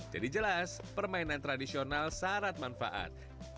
jadi jelas permainan tradisional syarat manfaat